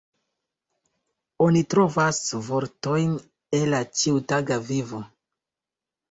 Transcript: Oni trovas vortojn el la ĉiutaga vivo.